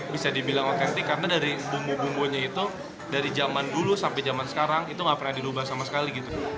bisa dibilang otentik karena dari bumbu bumbunya itu dari zaman dulu sampai zaman sekarang itu gak pernah dilubah sama sekali gitu